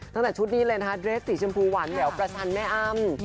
ตั้งแต่ชุดนี้เลยนะคะเดรสสีชมพูหวานแหววประชันแม่อ้ำ